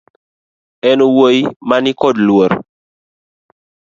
En wuoyi mani kod luor